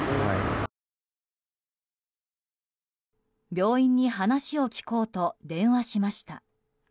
病院に話を聞こうと電話しました。